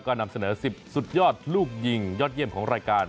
ก็นำเสนอ๑๐สุดยอดลูกยิงยอดเยี่ยมของรายการ